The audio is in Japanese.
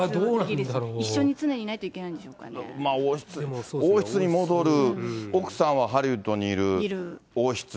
一緒に常にいないといけない王室に戻る、奥さんはハリウッドにいる、王室。